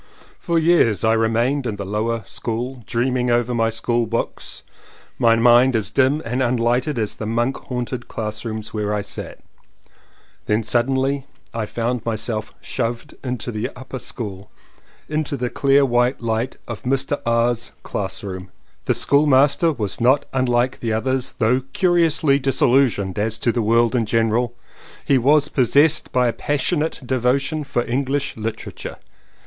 For years I remained in the lower school dreaming over my school books, my mind as dim and unlighted as the monk haunted classrooms where I sat; then suddenly I found myself "shoved" into the upper school, into the clear white light of Mr. R.'s classroom. The schoolmaster was not like the others — though curiously dis illusioned as to the world in general, he was possessed by a passionate devotion for English Literature.